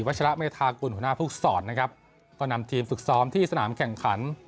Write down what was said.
ชนะเมธากุลหัวหน้าภูกษรนะครับก็นำทีมฝึกซ้อมที่สนามแข่งขัน